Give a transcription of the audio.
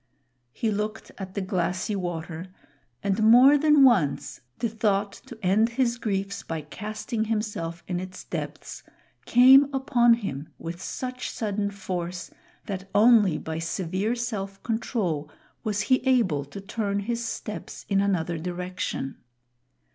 He looked at the glassy water, and more than once the thought to end his griefs by casting himself in its depths came upon him with such sudden force that only by severe self control was he able to turn his steps in another direction.